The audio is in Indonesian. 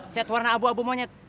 set warna abu abu monyet